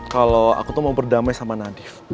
kalau aku tuh mau berdamai sama nadif